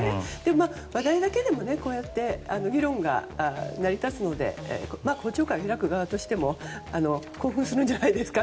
話題だけでもこうやって議論が成り立つので公聴会を開く側としても興奮するんじゃないですか。